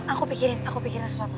aku pikirin aku pikirin sesuatu